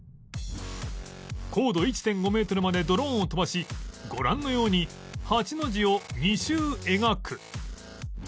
高度 １．５ メートルまでドローンを飛ばしご覧のように８の字を２周描く